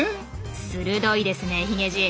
鋭いですねヒゲじい。